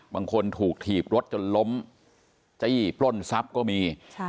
บางคนถูกถีบรถจนล้มจี้ปล้นทรัพย์ก็มี